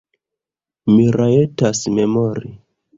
Mi rajtas memori.